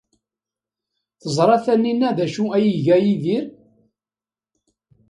Teẓra Taninna d acu ay iga Yidir?